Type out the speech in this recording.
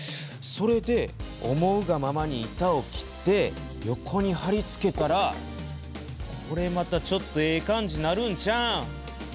それで思うがままに板を切って横にはり付けたらこれまたちょっとええ感じなるんちゃう？